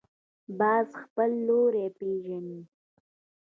باز خپل لوری پېژني